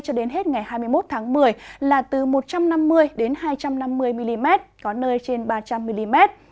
cho đến hết ngày hai mươi một tháng một mươi là từ một trăm năm mươi đến hai trăm năm mươi mm có nơi trên ba trăm linh mm